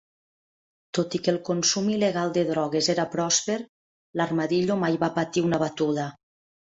Tot i que el consum il·legal de drogues era pròsper, l'Armadillo mai va patir una batuda.